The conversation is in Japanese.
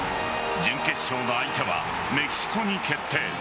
準決勝の相手はメキシコに決定。